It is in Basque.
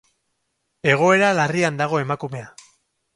Egoera larrian dago emakumea.